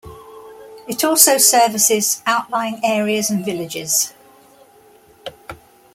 It also services outlying areas and villages.